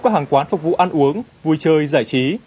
các hàng quán phục vụ ăn uống vui chơi giải trí